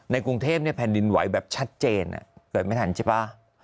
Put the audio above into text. กรุงเทพแผ่นดินไหวแบบชัดเจนเกิดไม่ทันใช่ป่ะ